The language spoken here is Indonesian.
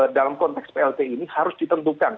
dalam konteks plt ini harus ditentukan